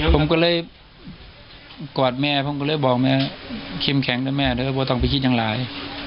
ผมก็เลยกวาดแม่ผมก็เลยบอกแม่เค็มแข็งด้วยแม่เพราะว่าต้องไปคิดอย่างหลาย